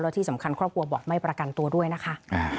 ที่สำคัญครอบครัวบอกไม่ประกันตัวด้วยนะคะ